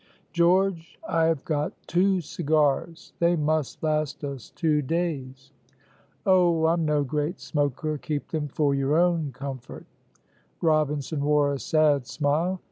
"George, I have got two cigars; they must last us two days." "Oh, I'm no great smoker keep them for your own comfort." Robinson wore a sad smile.